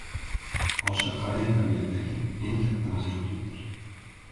Oshiq qariya tabiatdagi eng katta majruhlikdir.